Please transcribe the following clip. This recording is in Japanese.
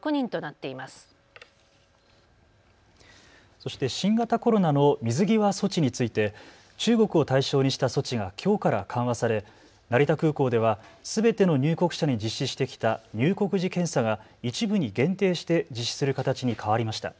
そして新型コロナの水際措置について中国を対象にした措置がきょうから緩和され成田空港ではすべての入国者に実施してきた入国時検査が一部に限定して実施する形に変わりました。